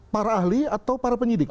para ahli atau para penyidik